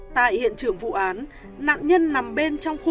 tại hiện trường vụ án nạn nhân nằm bên trong khu